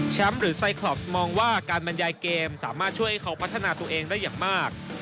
หรือไซคลอปมองว่าการบรรยายเกมสามารถช่วยให้เขาพัฒนาตัวเองได้อย่างมาก